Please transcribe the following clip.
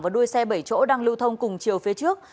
và đuôi xe bảy chỗ đang lưu thông cùng chiều phía trước